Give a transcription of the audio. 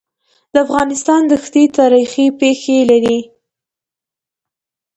د افغانستان دښتي تاریخي پېښې لري.